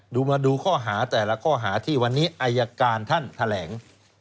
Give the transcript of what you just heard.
มาดูข้อหาแต่ละข้อหาที่วันนี้อายการท่านแถลง